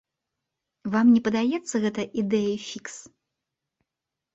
Вам не падаецца гэта ідэяй фікс?